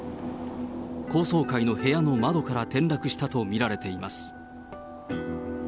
高層階の部屋の窓から転落したと見られています。